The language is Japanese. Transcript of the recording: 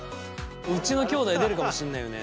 うちのきょうだい出るかもしんないよね。